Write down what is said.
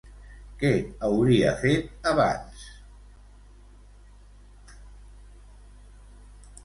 Què hauria fet abans?